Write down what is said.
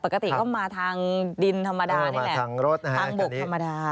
อีกแบบปกติก็มาทางดินธรรมดามาทางรถทางบกธรรมดา